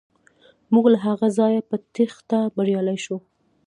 موږ له هغه ځایه په تیښته بریالي شو.